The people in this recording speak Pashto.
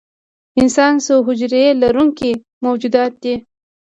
انسانان څو حجرې لرونکي موجودات دي